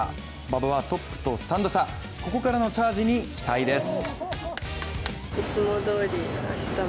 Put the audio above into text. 馬場はトップと３打差、ここからのチャージに期待です。